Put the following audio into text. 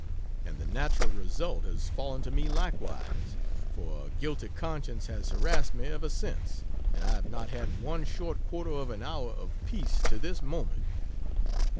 And the natural result has fallen to me likewise for a guilty conscience has harassed me ever since, and I have not had one short quarter of an hour of peace to this moment.